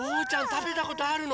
たべたことあるの？